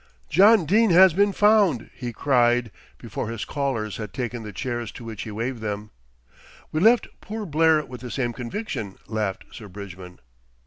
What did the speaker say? "John Dene has been found," he cried before his callers had taken the chairs to which he waved them. "We left poor Blair with the same conviction," laughed Sir Bridgman.